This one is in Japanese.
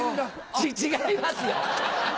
違いますよ！